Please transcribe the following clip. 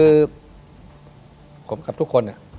คือผมกับทุกคนเนี่ย